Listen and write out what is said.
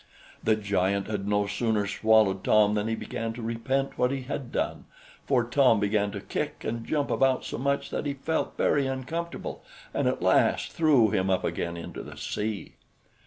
The giant had no sooner swallowed Tom than he began to repent what he hand done; for Tom began to kick and jump about so much that he felt very uncomfortable, and at last threw him up again into the sea.